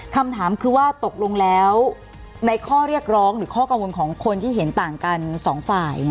คำถามคือว่าตกลงแล้วในข้อเรียกร้องหรือข้อกังวลของคนที่เห็นต่างกันสองฝ่าย